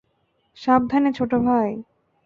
সাবধানে, ছোটো ভাই।